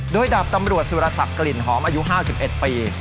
โดยดาบตำรวจสุรศักดิ์กลิ่นหอมอายุ๕๑ปี